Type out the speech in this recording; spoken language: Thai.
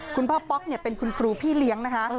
พ่อป๊อกเป็นคุณครูพี่เลี้ยงนะคะ